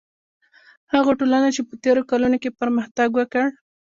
هغو ټولنو چې په تېرو کلونو کې پرمختګ وکړ.